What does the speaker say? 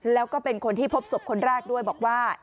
แล้วก็เป็นคนที่พบศพคนแรกด้วยบอกว่า